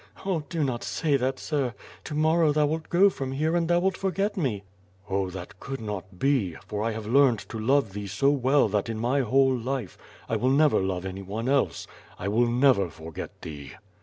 '^ "Oh, do not say that, Sir. To morrow thou wilt go from here and thou wilt forget me." "Oh, that could not be, for I have learned to love thee so well that in my whole life, I will never love anyone else; I will never forget thee."